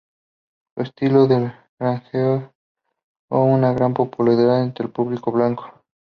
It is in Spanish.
Su estilo le granjeó una gran popularidad entre el público blanco.